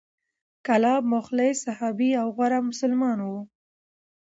کلاب مخلص صحابي او غوره مسلمان و،